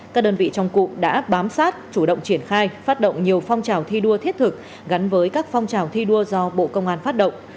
các đơn vị trong cụm đã bám sát chủ động triển khai phát động nhiều phong trào thi đua thiết thực gắn với các phong trào thi đua do bộ công an phát động